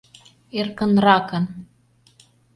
Эркынракын...